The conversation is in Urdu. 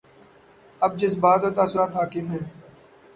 اب جذبات اور تاثرات حاکم ہیں۔